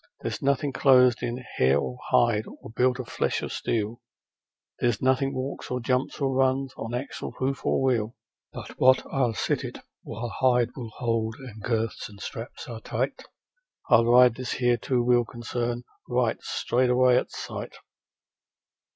There's nothing clothed in hair or hide, or built of flesh or steel, There's nothing walks or jumps, or runs, on axle, hoof, or wheel, But what I'll sit, while hide will hold and girths and straps are tight: I'll ride this here two wheeled concern right straight away at sight.'